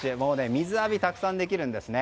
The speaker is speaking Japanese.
水浴びがたくさんできるんですね。